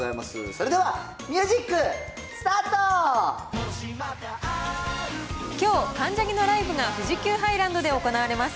それでは、きょう、関ジャニのライブが富士急ハイランドで行われます。